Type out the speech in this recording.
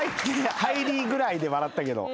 入りぐらいで笑ったけど。